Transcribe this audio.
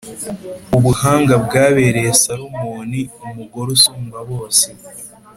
Ubuhanga bwabereye Salomoni umugore usumba bose